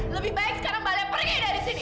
lebih baik sekarang mbak alia pergi dari sini